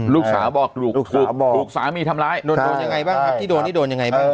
ลูกสาวบอกถูกสามีทำร้ายโดนยังไงบ้างครับที่โดนนี่โดนยังไงบ้าง